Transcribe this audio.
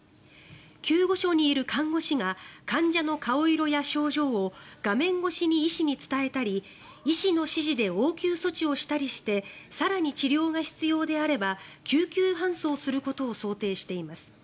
救護所にいる看護師が患者の顔色や症状を画面越しに医師に伝えたり医師の指示で応急処置をしたり更に治療が必要であれば救急搬送することを想定しています。